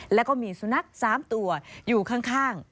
แล้วก็มีสุนัข๓ตัวอยู่ข้าง